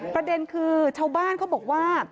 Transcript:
ประเด็นคือชาวบ้านเขาบอกว่า